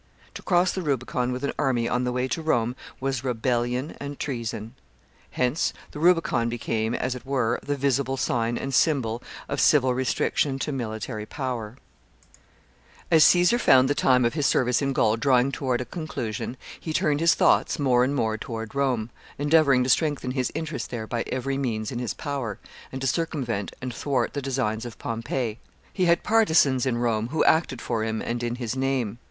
To cross the Rubicon with an army on the way to Rome was rebellion and treason. Hence the Rubicon became, as it were, the visible sign and symbol of civil restriction to military power. [Sidenote: Caesar's expenditure of money at Rome.] [Sidenote: His influence.] As Caesar found the time of his service in Gaul drawing toward a conclusion, he turned his thoughts more and more toward Rome, endeavoring to strengthen his interest there by every means in his power, and to circumvent and thwart the designs of Pompey. He had and partisans in Rome who acted for him and in his name.